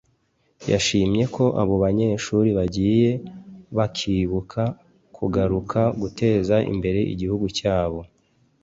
yashimye ko abo banyeshuri bagiye bakibuka kugaruka guteza imbere igihugu cyabo